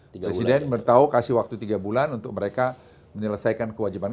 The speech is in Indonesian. presiden bertau kasih waktu tiga bulan untuk mereka menyelesaikan kewajiban